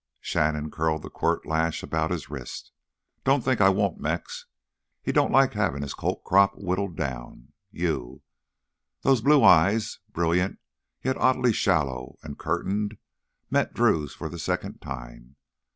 Shannon curled the quirt lash about his wrist. "Don't think I won't, Mex! He don't like havin' his colt crop whittled down. You—" Those blue eyes, brilliant, yet oddly shallow and curtained, met Drew's for the second time.